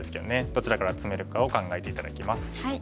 どちらからツメるかを考えて頂きます。